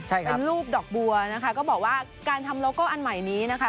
เป็นรูปดอกบัวนะคะก็บอกว่าการทำโลโก้อันใหม่นี้นะคะ